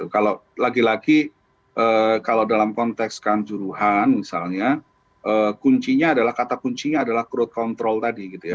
kalau lagi lagi kalau dalam konteks kanjuruhan misalnya kuncinya adalah kata kuncinya adalah crowd control tadi gitu ya